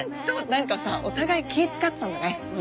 何かさお互い気使ってたんだね。